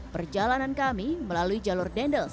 perjalanan kami melalui jalur dendels